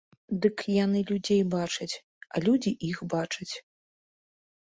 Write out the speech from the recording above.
Дык яны людзей бачаць, а людзі іх бачаць.